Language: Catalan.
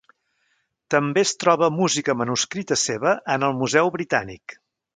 També es troba música manuscrita seva en el Museu Britànic.